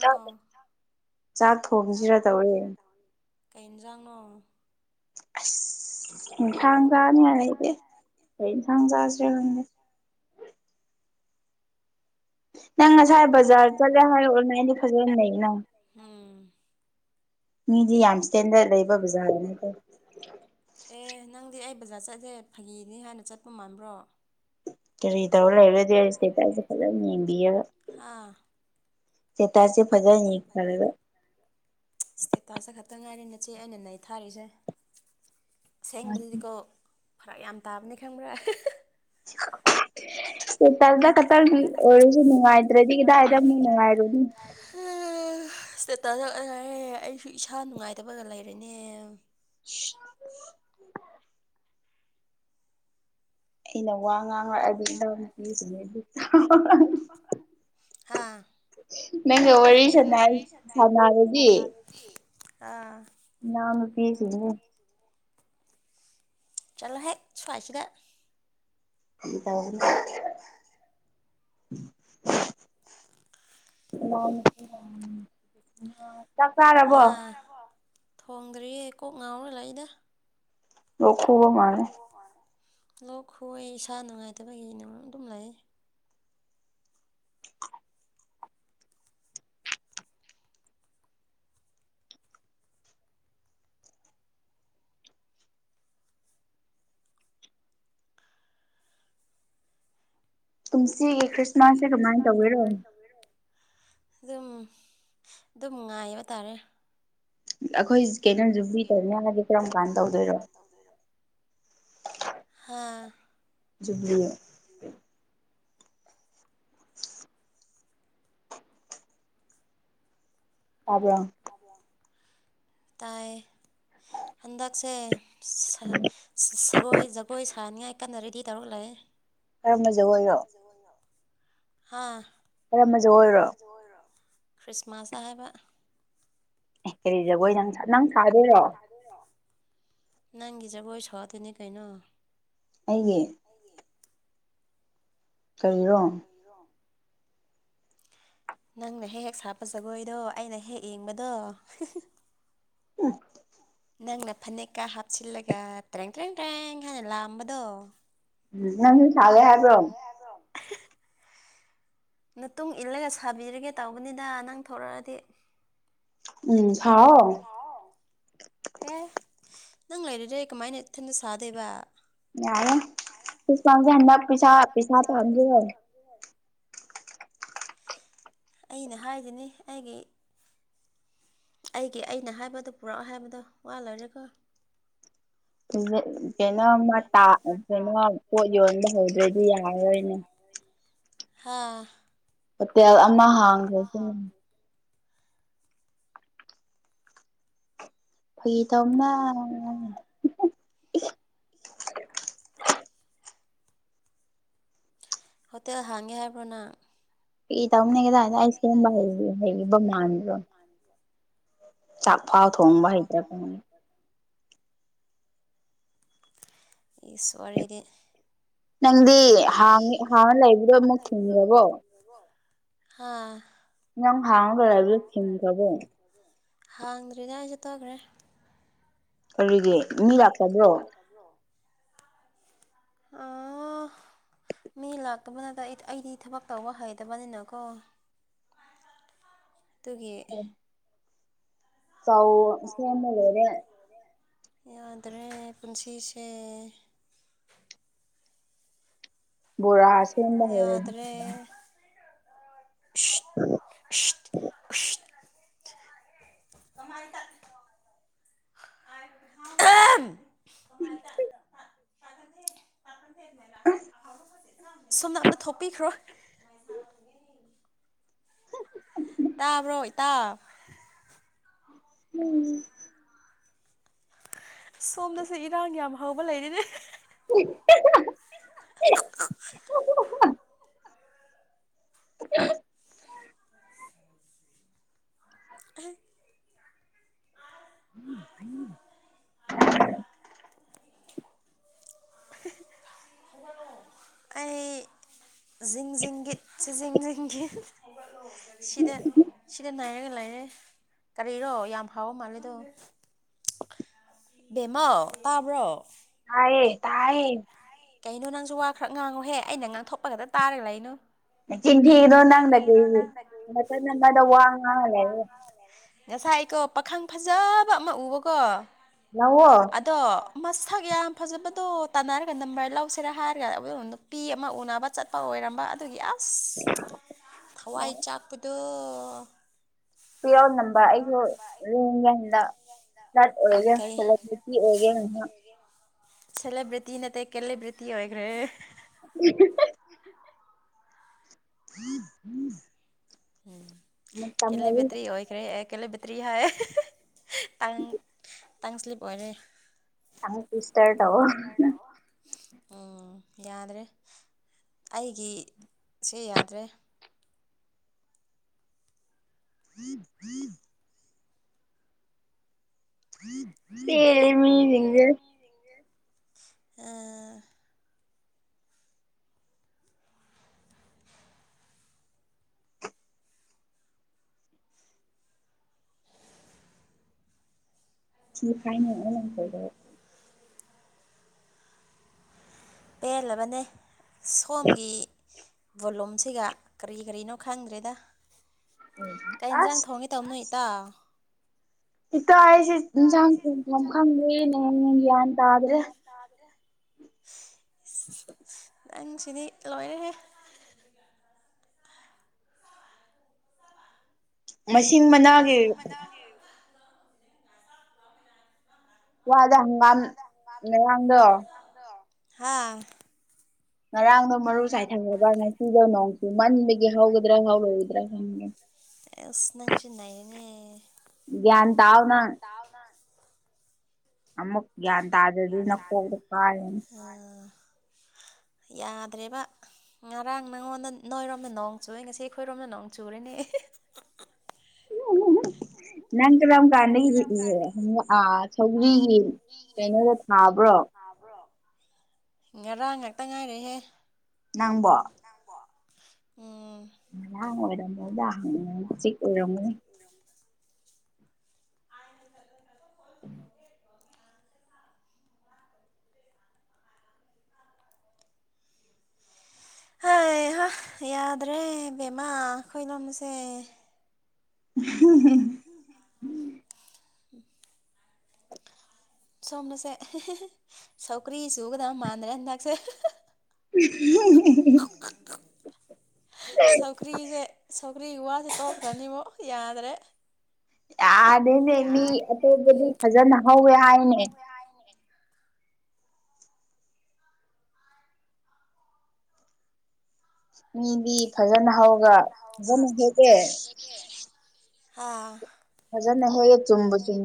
ꯆ ꯆꯥꯛ ꯊꯣꯡꯁꯤꯔꯥ ꯇꯧꯋꯦ ꯀꯩꯟꯖꯥꯡꯅꯣ ꯊꯥꯡꯒꯅꯤ ꯍꯥꯏꯅ ꯏꯗꯤꯦ ꯑꯩ ꯊꯪ ꯆꯥꯁꯦꯗꯦ ꯅꯪ ꯉꯁꯥꯏ ꯕꯖꯥꯔ ꯆꯠꯂꯦ ꯍꯥꯏꯔꯣ ꯑꯣꯟꯂꯥꯏꯟꯗꯤ ꯐꯖꯅ ꯂꯩ ꯅꯪ ꯃꯤꯗꯤ ꯌꯥꯝ ꯏꯁꯇꯦꯟꯗꯔꯗ ꯂꯩꯕ ꯕꯖꯥꯔꯗꯅꯦ ꯇ ꯕꯖꯥꯔ ꯆꯠꯁꯦ ꯐꯥꯒꯤꯅꯦ ꯍꯥꯏꯅ ꯆꯠꯄ ꯃꯥꯟꯕ꯭ꯔꯣ ꯀꯔꯤ ꯇꯧꯔ ꯂꯩꯔ꯭ꯔꯗꯤ ꯑꯩ ꯏꯁꯇꯦꯇꯁꯦ ꯐꯖꯅ ꯌꯦꯡꯕꯤꯌꯒ ꯁꯇꯦꯁ ꯈꯇꯪ ꯍꯥꯏꯔꯦ ꯏꯆꯦ ꯑꯩꯅ ꯅꯩ ꯊꯥꯔꯤꯁꯦ ꯁꯦꯡꯕꯗꯗꯤꯀꯣ ꯐꯔꯥꯛ ꯌꯥꯝ ꯇꯥꯕꯅꯤ ꯈꯪꯕ꯭ꯔꯥ ꯑꯟꯏꯟꯇꯦꯜꯂꯤꯖꯦꯕꯜ ꯑꯟꯏꯟꯇꯦꯜꯂꯤꯖꯦꯕꯜ ꯇꯛꯦ ꯑꯩꯁꯨ ꯏꯁꯥ ꯅꯨꯡꯉꯥꯏꯇꯕꯒ ꯂꯩꯔꯦꯅꯦ ꯑꯟꯏꯟꯇꯦꯜꯂꯤꯖꯦꯕꯜ ꯑꯩꯅ ꯋꯥ ꯉꯥꯡꯉꯛꯗꯤ ꯏꯅꯥꯧ ꯅꯨꯄꯤꯁꯤꯅꯦ ꯅꯪꯁꯨ ꯋꯥꯔꯤ ꯁ ꯁꯥꯟꯅꯔꯗꯤ ꯑꯥ ꯆꯂꯣ ꯍꯦꯛ ꯆꯂꯥꯏꯁꯤꯗ ꯍ ꯑꯟꯑꯣꯗꯤꯕꯜ ꯆꯥꯛ ꯆꯥꯔꯕꯣ ꯊꯣꯡꯗ꯭ꯔꯤꯌꯦ ꯀꯣꯛ ꯉꯥꯎꯔ ꯂꯏꯩꯅ ꯂꯧ ꯈꯨꯕ ꯃꯥꯅꯦ ꯂꯣꯛ ꯈꯣꯏ ꯏꯁꯥ ꯅꯨꯡꯉꯥꯏꯇꯕꯒꯤ ꯅꯨꯡ ꯑꯗꯨꯝ ꯂꯩ ꯀꯨꯝꯁꯤꯒꯤ ꯈ꯭ꯔꯤꯁꯃꯥꯁꯁꯦ ꯀꯃꯥꯏꯅ ꯇꯧꯒꯤꯔꯣ ꯑꯗꯨꯝ ꯑꯗꯨꯝ ꯉꯥꯏꯕ ꯇꯥꯔꯦ ꯑꯩꯈꯣꯏ ꯀꯩꯅꯣꯖꯨ ꯔꯤ ꯇꯧꯅꯤ ꯍꯥꯏꯁꯦ ꯀꯔꯝ ꯀꯥꯟ ꯇꯧꯗꯣꯏꯔꯣ ꯍꯥꯥ ꯂꯤ ꯇꯥꯕ꯭ꯔꯣ ꯇꯥꯏ ꯍꯗꯥꯛꯁꯦ ꯁꯒꯣꯏ ꯖꯒꯣꯏ ꯁꯥꯅꯤꯉꯥꯏ ꯀꯟꯅ ꯔꯦꯗꯤ ꯇꯧꯔꯛꯂꯦ ꯀꯔꯝꯕꯖ ꯑꯣꯏꯔꯣ ꯍꯥꯥ ꯀꯔꯃꯁꯨ ꯑꯣꯏꯔꯣ ꯈ꯭ꯔꯤꯁꯃꯥꯁ ꯍꯥꯏꯕ ꯑꯦ ꯀꯔꯤ ꯖꯒꯣꯏ ꯅꯪ ꯅꯪ ꯁꯥꯗꯦꯔꯣ ꯖꯕꯨꯣꯏ ꯁ ꯇꯅꯤꯀꯅꯣ ꯑꯩꯒꯤ ꯀꯔꯣ ꯅꯪꯅ ꯍꯦꯛ ꯍꯦꯛ ꯁꯥꯞꯄ ꯖꯒꯣꯏꯗꯣ ꯑꯩꯅ ꯍꯦꯛ ꯌꯦꯡꯕꯗꯣ ꯑ ꯅꯪꯅ ꯐꯅꯦꯛꯀꯥ ꯍꯥꯞꯆꯤꯜꯂꯒ ꯇꯔꯦꯡ ꯇꯔꯦꯡ ꯇꯔꯦꯡ ꯍꯥꯏꯥꯟꯅ ꯂꯥꯛꯑꯝꯕꯗꯣ ꯎꯝ ꯅꯪ ꯊꯂꯦ ꯍꯥꯏꯕ꯭ꯔꯣ ꯃꯇꯨꯡ ꯏꯜꯂꯒ ꯁꯥꯕꯤꯔꯒꯦ ꯇꯧꯕꯅꯤꯗ ꯅꯪ ꯊꯣꯛꯂꯛꯑꯗꯤ ꯎꯝ ꯍꯥꯎ ꯅꯪ ꯂꯩꯔꯔꯦ ꯀꯃꯥꯏꯅ ꯏꯊꯟꯗ ꯁꯥꯗꯣꯏꯕ ꯌꯥꯔ ꯄꯨꯁꯄ ꯍꯟꯗ ꯄꯁꯥ ꯄꯤꯁꯥ ꯊꯥꯥꯡꯖ ꯑꯩꯅ ꯍꯥꯏꯁꯤꯅꯤ ꯑꯩꯒꯤ ꯑꯩꯒꯤ ꯑꯩꯅ ꯍꯥꯏꯕꯗꯣ ꯄꯨꯔꯛꯑꯣ ꯍꯥꯏꯕꯗꯣ ꯋꯥ ꯂꯩꯔꯦꯀꯣ ꯀꯩꯅꯣ ꯀꯩꯅꯣ ꯄꯣꯠ ꯌꯣꯟꯕ ꯍꯧꯗ꯭ꯔꯗꯤ ꯌꯥꯔꯔꯣꯏꯅꯦ [unintelligible] ꯍꯥꯥ ꯍꯣꯇꯦꯜ ꯑꯃ ꯍꯥꯡꯈ꯭ꯔꯦ ꯐꯩꯒꯤ ꯇꯧꯅ ꯍꯣꯇꯦꯜ ꯍꯥꯡꯒꯦ ꯍꯥꯏꯕ꯭ꯔꯅ ꯐ ꯇ ꯑꯣꯅꯦ ꯀꯗ ꯑꯁꯀꯔꯤꯝ ꯏ ꯍꯥꯏ ꯃꯥꯟꯁꯨ ꯆꯥꯛꯐꯥꯎ ꯊꯣꯡꯕ ꯍꯩꯇ꯭ꯔꯀ ꯑꯩ ꯁꯣꯔꯗꯤ ꯅꯪꯗꯤ ꯍꯥꯡꯉꯤ ꯍꯥꯡꯉ ꯂꯩꯕ꯭ꯔꯣ ꯑꯃꯨꯛ ꯊꯤꯡꯉꯔꯕꯣ ꯍꯥꯥ ꯌꯥꯝꯪ ꯍꯥꯡꯉꯒꯕꯤ ꯊ ꯈꯕꯣ ꯍꯥꯡꯗ꯭ꯔꯤꯅꯦ ꯑꯩ ꯆꯠꯇꯣꯛꯈ꯭ꯔꯦ ꯀꯔꯤꯒꯤ ꯃꯤ ꯂꯥꯛꯀꯕ꯭ꯔꯣ ꯑ ꯃꯤ ꯂꯥꯛꯇꯕ ꯅꯠꯇ ꯑꯩꯗꯤ ꯊꯕꯛ ꯇꯧꯕ ꯍꯩꯇꯕꯅꯤꯅꯀꯣ ꯑꯗꯨꯒꯤ ꯁꯧ ꯁꯦꯃ ꯂꯩꯔꯦ ꯌꯥ ꯑꯗꯨꯔꯦ ꯄꯨꯟꯁꯤꯁ ꯕꯣꯔꯥ ꯌꯥꯗ꯭ꯔꯦ [inaudible] ꯀꯃꯥꯏꯇ ꯑ ꯑ ꯁꯣꯝꯅ ꯑꯝꯇ ꯊꯣꯛꯄꯤꯈ꯭ꯔꯣ ꯇꯥꯕ꯭ꯔꯣꯏ ꯇꯥ ꯎꯝ ꯁꯣꯝꯗꯁꯦ ꯏꯔꯥꯡ ꯌꯥꯝ ꯍꯧꯕ ꯂꯩꯔꯤꯅꯦ [unintelligible] [unintelligible] ꯍꯥꯏ [inaudible] ꯑꯩ ꯤꯡ ꯤꯡꯒꯤꯠ ꯁꯤꯖꯤꯡ ꯤꯡꯒꯤꯠ ꯁꯤꯗ ꯁꯤꯗ ꯅꯥꯒ ꯂꯩꯑꯌꯦ ꯀꯔꯤꯔꯣ ꯌꯥꯝ ꯍꯥꯎꯕ ꯃꯥꯜꯂꯦꯗꯣ ꯦꯃꯥ ꯇꯥꯔꯕ꯭ꯔꯣ ꯇꯥꯏꯌꯦ ꯀꯩꯅꯣ ꯅꯪꯁꯨ ꯋꯥ ꯈꯔ ꯉꯥꯡꯉꯨꯍꯦ ꯑꯩꯅ ꯉꯥꯡꯊꯣꯛꯄꯒꯇ ꯇꯥꯔꯦ ꯂꯩꯩꯅꯨ ꯆꯤꯟꯊꯤꯗꯣ ꯅꯪꯗ ꯀꯦꯗ ꯋꯥ ꯉꯥꯡꯉꯂꯦꯦ ꯉꯁꯥꯏꯀꯣ ꯄꯥꯈꯪ ꯐꯖꯕ ꯑꯃ ꯎꯕꯀꯣ ꯅ ꯃꯁꯛ ꯌꯥꯝ ꯐꯖꯕꯗꯣ ꯇꯥꯟꯅꯔꯒ ꯅꯝꯕ ꯂꯧꯁꯤꯔ ꯍꯥꯏꯔꯒ ꯅꯨꯄꯤ ꯑꯃ ꯎꯅꯕ ꯆꯠꯄ ꯑꯣꯏꯔꯝꯕ ꯑꯗꯨꯒꯤ ꯑꯁ ꯑꯁ ꯍꯋꯥꯏ ꯆꯥꯛꯄꯗꯣ ꯄ ꯌꯥꯎ ꯑꯩꯁꯨ ꯂꯒꯟꯗꯠ ꯑꯣꯏꯔꯦꯦꯂꯦ꯭ꯔꯤꯇꯤ ꯑꯣꯏꯒꯦ ꯉꯍꯥꯛ ꯁꯦꯂꯦꯕ꯭ꯔꯤꯇꯤ ꯅꯠꯇ ꯀꯦꯂꯕ꯭ꯔꯤꯇꯤ ꯑꯣꯏꯈ꯭ꯔꯦ [inaudible] [inaudible] ꯎꯝ ꯎꯝ ꯎꯝ ꯀꯂꯕꯇ꯭ꯔꯤ ꯑꯣꯏꯈ꯭ꯔꯦ ꯑꯦ ꯑꯩꯀꯂ ꯕꯇꯔꯤ ꯍꯥꯏ ꯇꯥꯡ ꯇꯥꯡ ꯁ꯭ꯂꯤꯞ ꯑꯣꯏꯔꯦ ꯌꯥꯝꯛ ꯐꯁꯇꯔ ꯇ ꯎꯝ ꯌꯥꯗ꯭ꯔꯦ ꯑꯩꯒꯤ ꯁꯤ ꯌꯥꯗ꯭ꯔꯦ ꯎꯝ ꯎꯝ ꯑꯦ ꯃꯤꯁꯤꯡꯒꯦ ꯑ ꯁꯤꯤ ꯐꯥꯏꯅꯅꯨꯡꯉ ꯂꯪꯈꯕ ꯄꯦꯜꯂꯕꯅꯦ ꯁꯣꯝꯒꯤ ꯕꯣꯂꯣꯨꯝꯁꯤꯒ ꯀꯔꯤ ꯀꯔꯤꯅꯣ ꯈꯪꯗ꯭ꯔꯦꯗ ꯀꯩ ꯌꯦꯟꯖꯥꯡ ꯊꯣꯡꯉꯦ ꯇꯧ ꯅꯣꯏ ꯀꯨꯠꯇ ꯏꯇ ꯑꯩꯁꯦ ꯏꯟꯁꯥꯡ ꯊꯣꯡꯐꯝ ꯈꯪꯗꯦꯅꯦꯦ ꯒ꯭ꯌꯥꯟ ꯇꯥꯗ꯭ꯔꯦ [inaudible] ꯅꯪ ꯁꯤꯗꯤ ꯂꯣꯏꯔꯍꯦ ꯃꯁꯤꯡ ꯃꯅꯥꯒꯤ ꯋꯥꯗ ꯍꯪꯒꯥꯝ ꯃꯔꯥꯡꯗꯣ ꯍꯥꯥ ꯃꯔ ꯃꯔꯨ ꯆꯥꯏꯊꯂꯒ ꯉꯁꯤꯒ ꯅꯣꯡꯁꯤ ꯃꯟꯗꯒꯤ ꯍꯧꯒꯗ꯭ꯔꯥ ꯍꯧꯔꯔꯣꯏꯗ꯭ꯔꯥ ꯈꯪꯉꯦ ꯁ ꯅꯪꯁꯤ ꯒꯟ ꯇꯥꯥꯎꯅꯥ ꯑꯃꯨꯛ ꯒ꯭ꯌꯥꯟ ꯇꯥꯗꯗꯤ ꯅ ꯀꯣꯛ ꯀꯅ [unintelligible] ꯌꯥꯗ꯭ꯔꯦꯕ ꯉꯔꯥꯡ ꯅꯪꯉꯣꯟꯗ ꯅꯣꯏꯔꯣꯝꯗ ꯅꯣꯡ ꯆꯨ ꯉꯁꯤ ꯑꯩꯈꯣꯏꯔꯣꯝꯅ ꯅꯣꯡ ꯆꯨꯔꯤꯅꯦ ꯎ ꯎ ꯅꯪ ꯀꯔꯝ ꯀꯥꯟꯗ ꯁꯧꯒꯔꯤꯒꯤ ꯀꯩꯅꯣꯗ ꯊꯥꯕ꯭ꯔꯣ ꯉꯔꯥꯡ ꯉꯥꯛꯇ ꯉꯥꯏꯔꯦꯍꯦ ꯅꯪꯕꯣ ꯗ ꯆꯤ ꯑꯣꯏꯔ ꯍꯥꯏ ꯆ ꯍꯣꯏ ꯍ ꯌꯥꯗ꯭ꯔꯦ ꯕꯦꯝꯃꯥ ꯈꯣꯏꯂꯝꯣꯝꯁꯦ [unintelligible] ꯎꯝ ꯁꯣꯝꯅꯁꯦ ꯁꯧꯀ꯭ꯔꯤ ꯆꯨꯒꯗ ꯃꯥꯟꯗ꯭ꯔꯦ ꯍꯟꯗꯛꯁꯦ [inaudible] ꯁꯧꯒ꯭ꯔꯤꯒꯤ ꯋꯥꯁ ꯇꯣꯛꯈ꯭ꯔꯅꯤꯕ ꯌꯥꯗ꯭ꯔꯦ ꯌꯥꯗꯩꯅꯦ ꯃꯤ ꯑꯇꯣꯞꯄꯗꯤ ꯐꯖꯅ ꯍꯧꯋꯦ ꯍꯥꯏꯅꯦ ꯃꯤꯗꯤ ꯐꯖꯅ ꯍꯧꯒ ꯐꯖꯅ ꯍꯦꯛꯀꯦ ꯑꯥ ꯐꯖꯅ ꯍꯦꯛ ꯍ ꯆꯨꯝꯕ ꯆꯨꯝ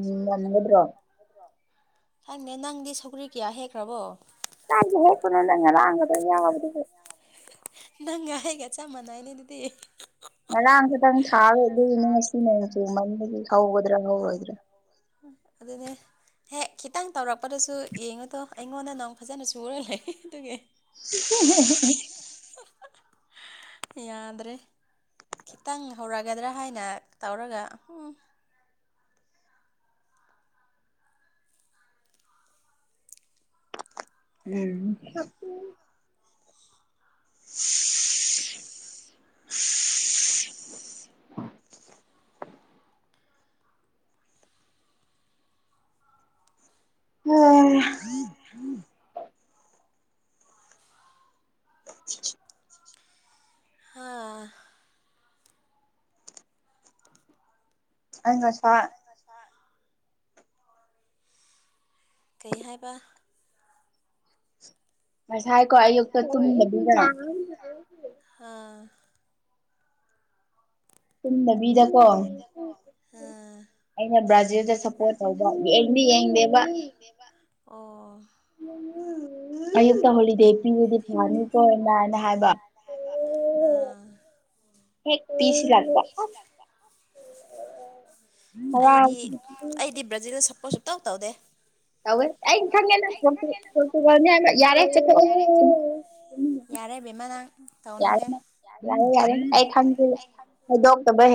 ꯌꯥꯒꯗ꯭ꯔꯣ ꯈꯪꯅꯦ ꯅꯪꯗꯤ ꯁꯧꯒ꯭ꯔꯤ ꯀꯌꯥ ꯍꯦꯛꯈ꯭ꯔꯕꯣ ꯄꯅꯣꯗꯉ ꯑ ꯇ ꯌꯥ ꯅꯪꯒꯥꯑ ꯀ ꯆ ꯃꯅꯥꯏꯅꯤꯤꯗꯤ ꯊꯥꯋꯦ ꯑꯗꯨꯏꯅꯦ ꯉꯁꯤ ꯅꯣꯡ ꯆꯨ ꯃꯗꯒꯤ ꯍꯧꯒꯗ꯭ꯔꯥ ꯍꯧꯔꯣꯏꯗ꯭ꯔꯥ ꯑꯗꯨꯅꯦ ꯍꯦꯛ ꯈꯤꯇꯪ ꯇꯧꯔꯛꯄꯗꯁꯨ ꯌꯦꯡꯉꯨꯗꯣ ꯑꯩꯉꯣꯟꯗ ꯅꯪ ꯐꯖꯅ ꯁꯨꯔ ꯂꯩ ꯑꯗꯨꯒꯤ [unintelligible] ꯌꯥꯗ꯭ꯔꯦ ꯈꯤꯇꯪ ꯍꯧꯔꯛꯒꯗ꯭ꯔꯥ ꯍꯥꯏꯅ ꯇꯧꯔꯒ ꯎꯝ ꯎꯝ ꯑꯁ ꯀꯩ ꯍꯥꯏꯕ ꯊꯥꯏ ꯀꯣ ꯑꯌꯨꯛꯇ ꯇ ꯆꯨꯝꯗꯕꯤꯗꯀꯣ ꯎꯝ ꯑꯣ ꯑꯌꯨꯛꯇ ꯍꯣꯂꯤꯗꯦ ꯄꯤꯕꯗꯤ ꯐꯪꯉꯅꯤꯀꯣꯅꯅ ꯍꯥꯏꯕ ꯍ ꯄꯤꯁꯤ ꯂꯥꯛ ꯑꯩꯗꯤ ꯑꯩꯗꯤ ꯕ꯭ꯔꯥꯖꯤꯜꯗ ꯁꯄꯣꯠ ꯁꯇꯧ ꯇꯧꯗꯦ ꯇꯧꯋꯣꯏ ꯑꯩ ꯏ ꯊꯪꯦꯅ ꯌꯥ ꯦꯃꯥ ꯌꯥꯔ ꯌꯥꯔꯦ ꯌꯥꯔ ꯀ ꯈꯪ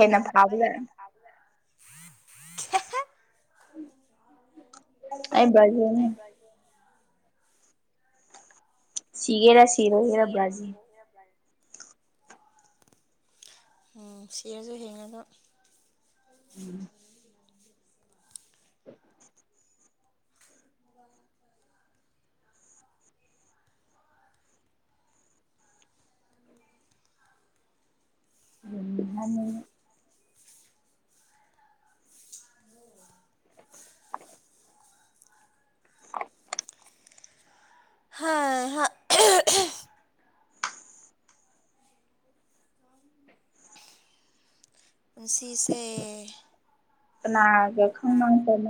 ꯑꯗꯨꯗꯣꯛꯕ ꯍꯦꯟꯅ ꯊ ꯑꯩ ꯖ ꯁꯤꯒꯔ ꯁꯤ ꯁꯤꯒꯦꯔ ꯁꯤꯔ ꯁꯤꯔ ꯄꯅꯤ ꯁꯤꯌꯔꯁꯨ ꯍꯦꯡꯉꯗ ꯎꯝ ꯍ [unintelligible] [unintelligible] ꯍꯥ ꯄꯨꯟꯁꯤꯁꯦ ꯀꯅꯥꯒꯦ ꯈꯪ ꯅꯅ